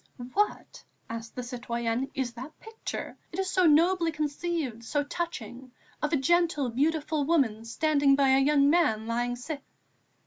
"What," asked the citoyenne, "is that picture it is so nobly conceived, so touching of a gentle, beautiful woman standing by a young man lying sick?"